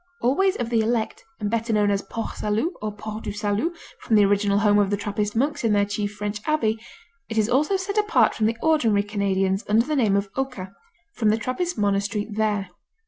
Always of the elect, and better known as Port Salut or Port du Salut from the original home of the Trappist monks in their chief French abbey, it is also set apart from the ordinary Canadians under the name of Oka, from the Trappist monastery there.